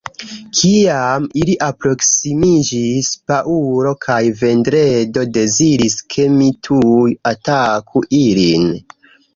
Kiam ili aproksimiĝis, Paŭlo kaj Vendredo deziris ke mi tuj ataku ilin.